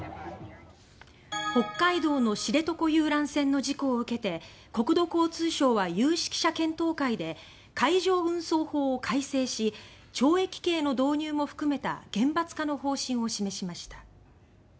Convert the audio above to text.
北海道の知床遊覧船の事故を受けて国土交通省は有識者検討会で海上運送法を改正し懲役刑の導入も含めた厳罰化の方針を示しました。